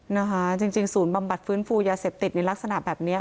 นะคะจริงศูนย์บำบัดฟื้นฟูยาเสพติดในลักษณะแบบนี้